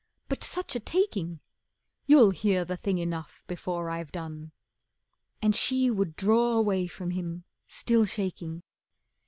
But such a taking! You'll hear the thing enough before I've done." And she would draw away from him, still shaking.